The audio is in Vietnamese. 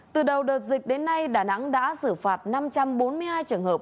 từ đầu đợt dịch đến nay đà nẵng đã xử phạt năm trăm bốn mươi hai trường hợp